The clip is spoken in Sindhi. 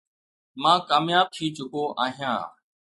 مان ڪامياب ٿي چڪو آهيان.